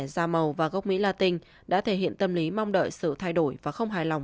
da màu và gốc mỹ la tinh đã thể hiện tâm lý mong đợi sự thay đổi và không hài lòng